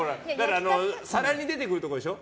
更に出てくるところでしょ